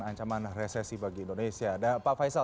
ancaman resesi bagi indonesia pak faisal